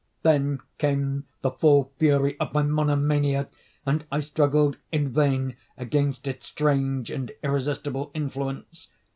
Then came the full fury of my monomania, and I struggled in vain against its strange and irresistible influence.